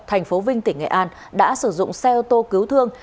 tp vinh tỉnh nghệ an đã sử dụng xe ô tô cứu thương